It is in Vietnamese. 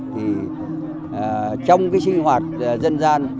thì trong cái sinh hoạt dân gian